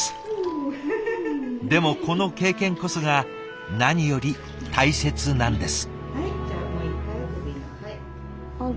でもこの経験こそが何より大切なんです。